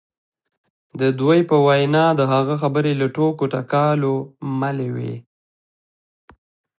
د دوی په وینا د هغه خبرې له ټوکو ټکالو ملې وې